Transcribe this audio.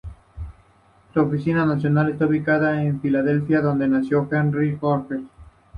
Su oficina nacional está ubicada en Filadelfia, donde nació Henry George.